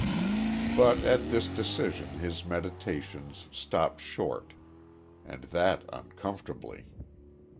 But at this decision his meditations stopped short, and that uncomfortably.